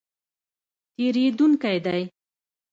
تېرېدونکی دی